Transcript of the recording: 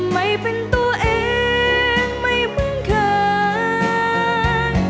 ไม่เป็นตัวเองไม่เพิ่งเคย